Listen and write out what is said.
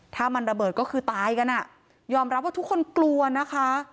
ถ้ามันระเบิดก็คือตายกันอ่ะยอมรับว่าทุกคนกลัวนะคะ